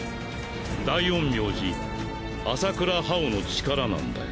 大陰陽師麻倉葉王の力なんだよ。